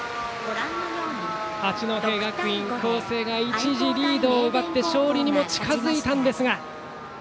八戸学院光星が一時リードを奪って勝利にも近づいたんですが。